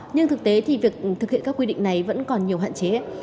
nhưng thực tế thì việc thực hiện các quy định này vẫn còn nhiều hạn chế